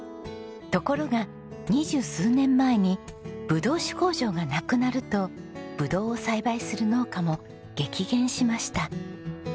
ところが二十数年前にブドウ酒工場がなくなるとブドウを栽培する農家も激減しました。